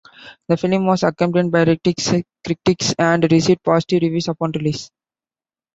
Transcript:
The film was acclaimed by critics and received positive reviews upon release.